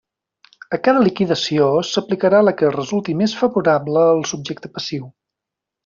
A cada liquidació s'aplicarà la que resulti més favorable al subjecte passiu.